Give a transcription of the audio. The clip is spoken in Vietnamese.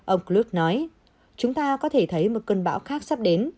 ông chlock nói chúng ta có thể thấy một cơn bão khác sắp đến